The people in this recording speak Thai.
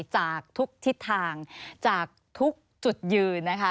จากทุกทิศทางจากทุกจุดยืนนะคะ